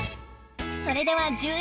それでは１０円